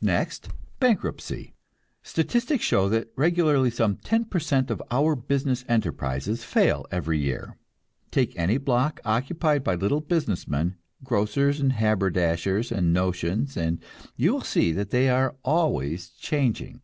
Next, bankruptcy. Statistics show that regularly some ten per cent of our business enterprises fail every year. Take any block occupied by little business men, grocers and haberdashers and "notions," and you will see that they are always changing.